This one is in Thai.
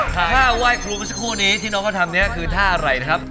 ท่าไหว้ครูเมื่อกี้ที่น้องจะทำคือท่าอะไรนะครับ